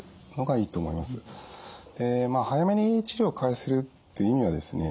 早めに治療を開始するっていう意味はですね